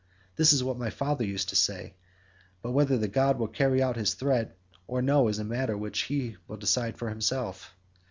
This is what my father used to say, but whether the god will carry out his threat or no is a matter which he will decide for himself.